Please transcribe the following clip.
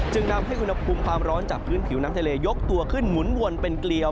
นำให้อุณหภูมิความร้อนจากพื้นผิวน้ำทะเลยกตัวขึ้นหมุนวนเป็นเกลียว